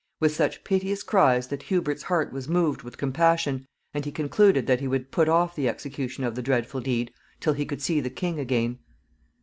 with such piteous cries that Hubert's heart was moved with compassion, and he concluded that he would put off the execution of the dreadful deed till he could see the king again.